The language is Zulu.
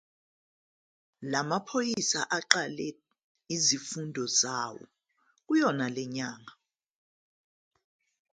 La maphoyisa aqale izifundo zawo kuyona le nyanga.